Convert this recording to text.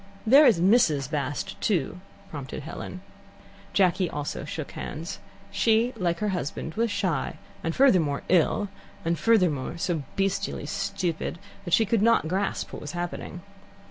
"There is Mrs. Bast, too," prompted Helen. Jacky also shook hands. She, like her husband, was shy, and, furthermore, ill, and furthermore, so bestially stupid that she could not grasp what was happening.